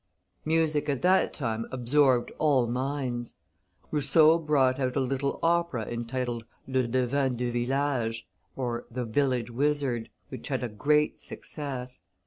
Music at that time absorbed all minds. Rousseau brought out a little opera entitled Le Devin de village (The Village Wizard), which had a great success.